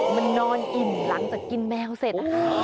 มันนอนอิ่มหลังจากกินแมวเสร็จนะคะ